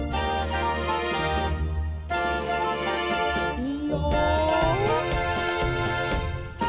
いいよ。